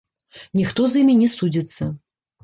Ніхто з імі не судзіцца.